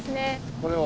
これを。